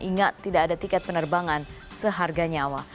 ingat tidak ada tiket penerbangan seharga nyawa